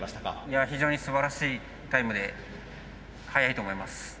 いや非常にすばらしいタイムで速いと思います。